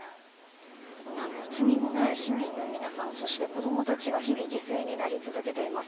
何の罪もない市民の皆さんそして子供たちが日々犠牲になり続けています。